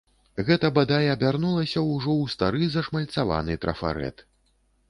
Гэта бадай абярнулася ўжо ў стары зашмальцаваны трафарэт.